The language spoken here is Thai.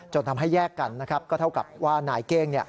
ทำให้แยกกันนะครับก็เท่ากับว่านายเก้ง